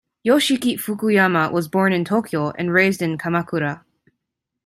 Yoshiki Fukuyama was born in Tokyo and raised in Kamakura.